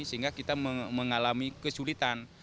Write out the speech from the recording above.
sehingga kita mengalami kesulitan